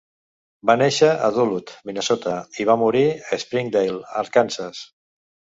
Va néixer a Duluth, Minnesota, i va morir a Springdale, Arkansas.